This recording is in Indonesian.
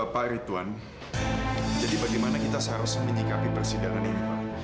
pak eridwan jadi bagaimana kita seharus menyikapi persidangan ini